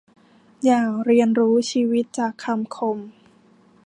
อย่าเรียนรู้ชีวิตจากคำคม